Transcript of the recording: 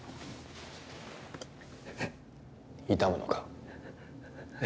痛むのか？